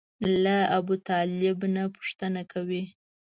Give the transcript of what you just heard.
له ابوطالب نه پوښتنه کوي.